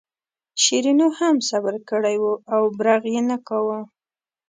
شیرینو هم صبر کړی و او برغ یې نه کاوه.